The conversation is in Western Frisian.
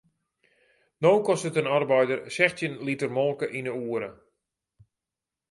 No kostet in arbeider sechstjin liter molke yn de oere.